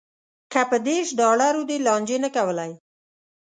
که په دېرش ډالرو دې لانجې نه کولی.